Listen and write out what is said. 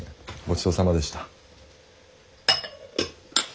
ごちそうさまでした。